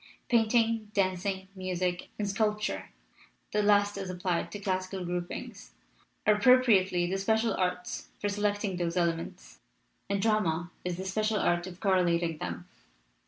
Painting, dancing, music, and sculpture (the last as applied to classic groupings) are appropriately the special arts for selecting those elements, and drama is the special art of correlating them.